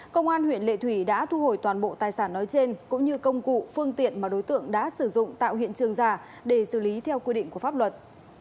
công an huyện lệ thủy đã thu hồi toàn bộ tài sản nói trên cũng như công cụ phương tiện mà đối tượng đã sử dụng tạo hiện trường giả để xử lý theo quy định của pháp luật